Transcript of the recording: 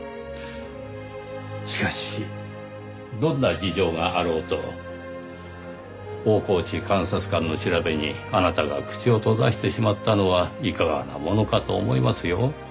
しかしどんな事情があろうと大河内監察官の調べにあなたが口を閉ざしてしまったのはいかがなものかと思いますよ。